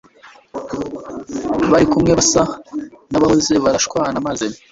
bari kumwe basa nabahoze barashwana maze